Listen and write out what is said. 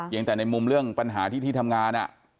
ยังแต่ในมุมเรื่องปัญหาที่ที่ทำงาน